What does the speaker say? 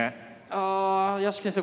ああ屋敷先生